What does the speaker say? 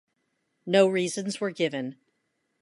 No reasons were given.